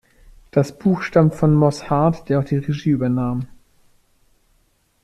Das Buch stammt von Moss Hart, der auch die Regie übernahm.